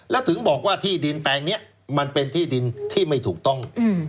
แล้วถึงบอกว่าที่ดินแปลงนี้มันเป็นที่ดินที่ไม่ถูกต้อง